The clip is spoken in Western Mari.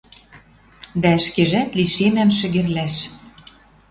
Дӓ ӹшкежӓт лишемӓм шӹгерлӓш